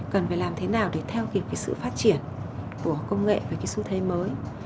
cần phải làm thế nào để theo kịp sự phát triển của công nghệ và sự thay mới